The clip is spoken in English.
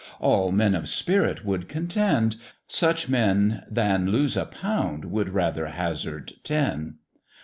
All men of spirit would contend; such men Than lose a pound would rather hazard ten.